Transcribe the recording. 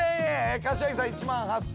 柏木さん１万８，０００円。